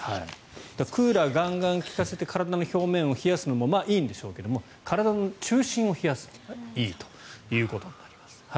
クーラーをガンガン利かせて体の表面を冷やすのもまあいいんでしょうけど体の中心を冷やすといいということになります。